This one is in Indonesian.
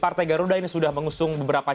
partai garuda ini sudah mengusung beberapa